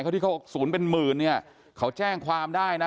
เขาที่เขาออกศูนย์เป็นหมื่นเนี่ยเขาแจ้งความได้นะ